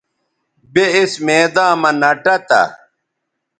بے اِس میداں مہ نہ ٹہ تھا